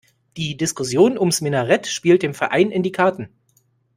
Die Diskussion ums Minarett spielt dem Verein in die Karten.